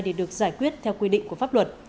để được giải quyết theo quy định của pháp luật